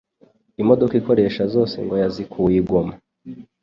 imodoka ikoresha zose ngo yazikuye i Goma